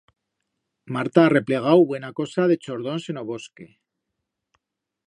Marta ha replegau buena cosa de chordons en o bosque.